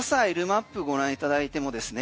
マップご覧いただいてもですね